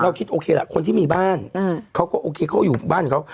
คิดโอเคล่ะคนที่มีบ้านเขาก็โอเคเขาอยู่บ้านของเขา